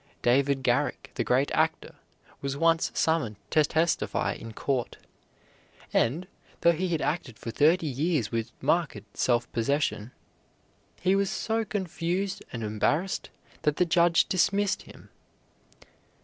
David Garrick, the great actor, was once summoned to testify in court; and, though he had acted for thirty years with marked self possession, he was so confused and embarrassed that the judge dismissed him.